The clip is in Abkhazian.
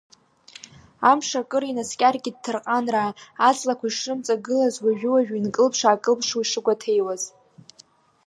Амш акыр инаскьаргеит Ҭарҟанраа, аҵлақәа ишрымҵагылаз, уажәы-уажәы инкылԥш-аакылыԥшуа ишыгәаҭеиуаз.